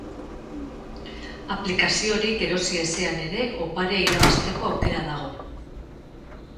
Aplikaziorik erosi ezean ere oparia irabazteko aukera dago.